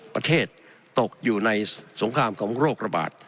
ประเทศตกอยู่ในสงครามของโรคระบาด